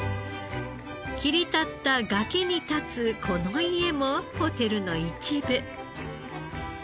切り立った崖に立つこの家もホテルの一部。